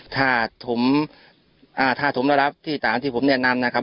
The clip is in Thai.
ถ้าผมได้รับที่ตามที่ผมแนะนำนะครับ